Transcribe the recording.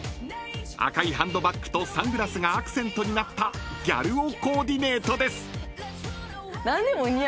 ［赤いハンドバッグとサングラスがアクセントになったギャル男コーディネートです］